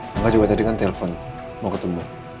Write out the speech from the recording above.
mbak juga tadi kan telpon mau ketemu